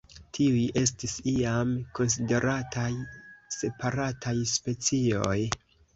Tiuj estis iam konsiderataj separataj specioj.